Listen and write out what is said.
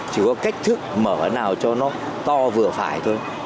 chỉ có cách thức mở nào cho nó to vừa phải thôi